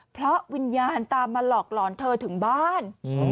เพราะวิญญาณตามมาหลอกหลอนเธอถึงบ้าน